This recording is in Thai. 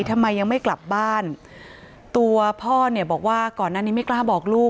ทำไมยังไม่กลับบ้านตัวพ่อเนี่ยบอกว่าก่อนหน้านี้ไม่กล้าบอกลูก